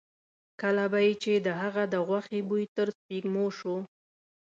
کله به یې چې د هغه د غوښې بوی تر سپېږمو شو.